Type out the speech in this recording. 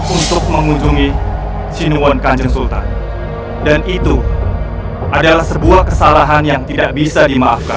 untuk mengunjungi sinuwan kanjeng sultan dan itu adalah sebuah kesalahan yang tidak bisa dimaafkan